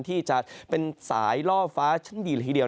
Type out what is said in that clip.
ที่จะเป็นสายล่อฟ้าชั้นดีละทีเดียว